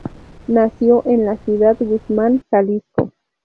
Nació en Ciudad Guzmán, Jalisco.